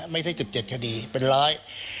ไม่ได้จุดเจ็ดคดีเป็นร้อย